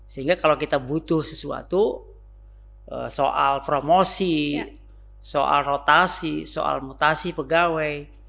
sehingga kalau kita butuh sesuatu soal promosi soal rotasi soal mutasi pegawai